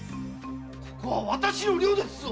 ここは私の寮ですぞ！